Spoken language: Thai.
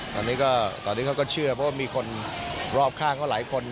ตอนนี้ก็ตอนนี้เขาก็เชื่อเพราะว่ามีคนรอบข้างเขาหลายคน